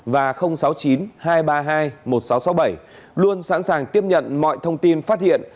và sáu mươi chín hai trăm ba mươi hai một nghìn sáu trăm sáu mươi bảy luôn sẵn sàng tiếp nhận mọi thông tin phát hiện